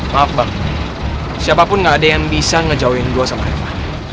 maaf bang siapapun gak ada yang bisa ngejoin gue sama eva